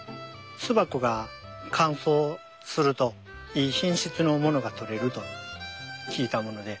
巣箱が乾燥するといい品質のものが取れると聞いたもので。